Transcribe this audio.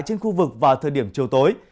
trên khu vực vào thời điểm chiều tối